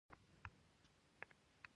تر پالونو په واسطه سایه جوړه وه.